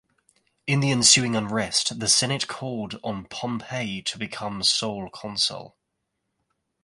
In the ensuing unrest, the Senate called on Pompey to become sole consul.